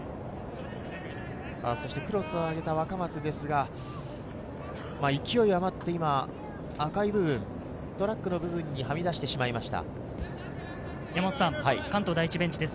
クロスを上げた若松ですが、勢い余って赤い部分、トラックの部分にはみ出してしまいました。